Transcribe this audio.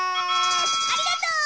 ありがとう。